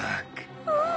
ああ。